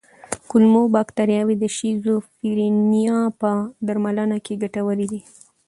کولمو بکتریاوې د شیزوفرینیا په درملنه کې ګټورې دي.